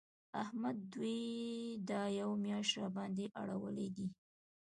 احمد دوی دا یوه مياشت راباندې اړولي دي.